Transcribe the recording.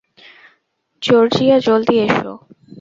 Georgia, জলদি এসো।